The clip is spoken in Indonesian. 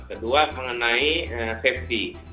kedua mengenai safety